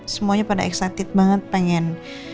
semuanya pada excited banget pengen